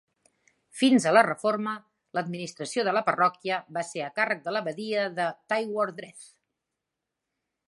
Fins a la Reforma, l'administració de la parròquia va ser a càrrec de l'abadia de Tywardreath.